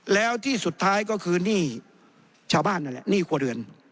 แล้วที่สุดท้ายก็คือหนี้ชาวบ้านนั่นแหละหนี้ครัวเรือน